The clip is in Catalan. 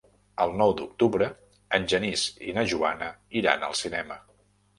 El nou d'octubre en Genís i na Joana iran al cinema.